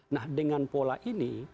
nah dengan pola ini